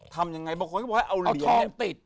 ทำยังไงบางคนก็บอกว่าเอาเหรียญทองติด